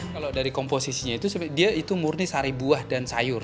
kalau dari komposisinya itu dia itu murni sari buah dan sayur